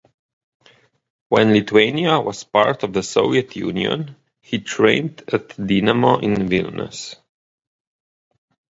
When Lithuania was part of the Soviet Union, he trained at Dynamo in Vilnius.